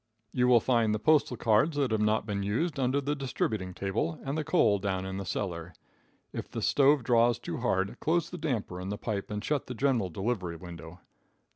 You will find the postal cards that have not been used under the distributing table, and the coal down in the cellar. If the stove draws too hard, close the damper in the pipe and shut the general delivery window.